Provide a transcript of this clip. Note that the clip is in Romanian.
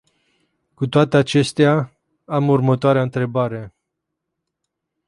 Cu toate acestea, am următoarea întrebare.